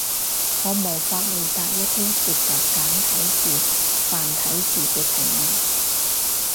我無法回答一啲涉及簡體字、繁體字嘅提問